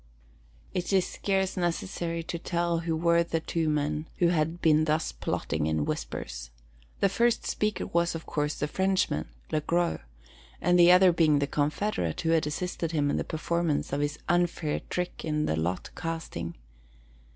It is scarce necessary to tell who were the two men who had been thus plotting in whispers. The first speaker was, of course, the Frenchman, Le Gros, the other being the confederate who had assisted him in the performance of his unfair trick in the lot casting.